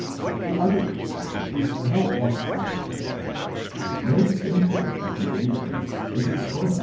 The other proceeding is no less arbitrary. Mary's inquiry of the angel is explained?